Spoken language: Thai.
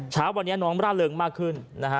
เช้าวันนี้น้องร่าเริงมากขึ้นนะฮะ